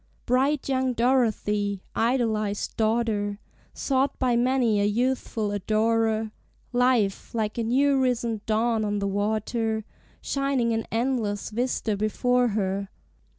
Bright young Dorothy, idolized daughter, Sought by many a youthful adorer, Life, like a new risen dawn on the water, Shining an endless vista before her!